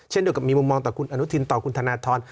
เช่นเดี๋ยวกับมมมองต่อคุณอณุธินต่อนครนาธร